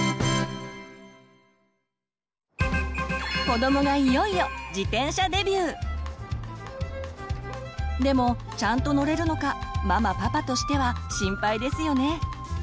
子どもがいよいよでもちゃんと乗れるのかママパパとしては心配ですよね。